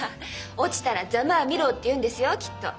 落ちたらざまあ見ろって言うんですよきっと。